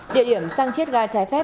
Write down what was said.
địa điểm sang chiết ga trái phép